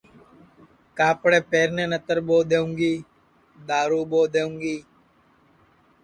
کاپڑے پہرنے نتر ٻو دؔونگی دؔارو ٻو دؔونگی